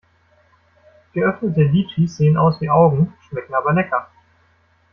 Geöffnete Litschis sehen aus wie Augen, schmecken aber lecker.